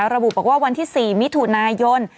ระบุบอกว่าวันที่๔มิถุนายน